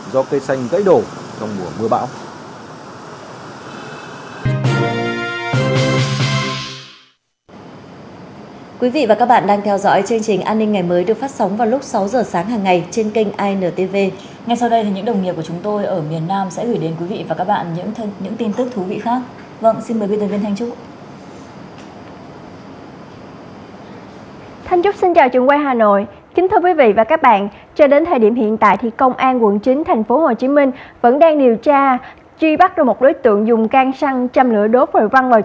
do cây xanh gãy đổ trong mùa mưa bão